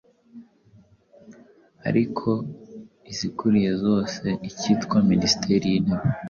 Ariko izikuriye zose ikitwa Minisiteri y’Intebe.